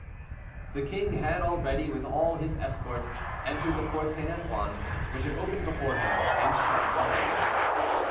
The king had already, with all his escort, entered the Porte St. Antoine, which had opened before him and shut behind him.